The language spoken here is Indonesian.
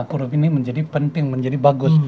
huruf ini menjadi penting menjadi bagus